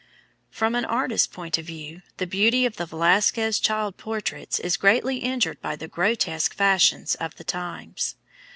From an artist's point of view, the beauty of the Velasquez child portraits is greatly injured by the grotesque fashions of the times.